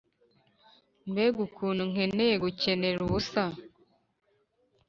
mbega ukuntu nkeneye gukenera ubusa,